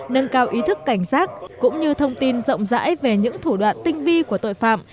nâng cao ý thức cảnh giác cũng như thông tin rộng rãi về những thủ đoạn tinh vi của tội phạm